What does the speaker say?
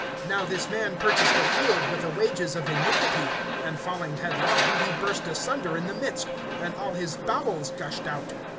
(18)Now this man purchased a field with the wages of iniquity; and falling headlong, he burst asunder in the midst, and all his bowels gushed out.